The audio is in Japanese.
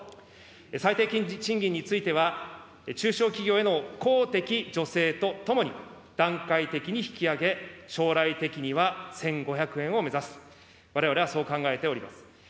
最低賃金については、中小企業への公的助成とともに段階的に引き上げ、将来的には１５００円を目指す、われわれはそう考えております。